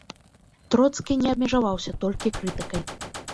Троцкі не абмежаваўся толькі крытыкай.